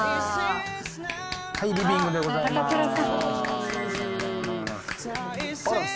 はい、リビングでございます。